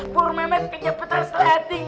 pur mehmet kejepitan slating